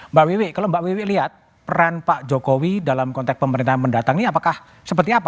mbak wiwi kalau mbak wiwi lihat peran pak jokowi dalam konteks pemerintahan mendatang ini apakah seperti apa